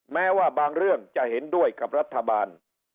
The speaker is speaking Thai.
แม้ว่าบางเรื่องจะเห็นด้วยกับรัฐบาล